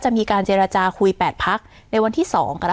จะมีการเจรจาคุย๘พักในวันที่๒กร